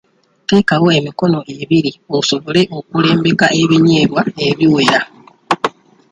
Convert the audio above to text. Teekawo emikono ebiri osobole okulembeka ebinyebwa ebiwera.